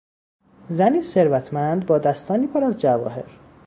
زنی ثروتمند با دستانی پر از جواهر